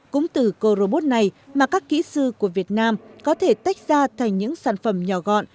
cũng từ cô robot này mà các kỹ sư của việt nam có thể tách ra thành những sản phẩm nhỏ gọn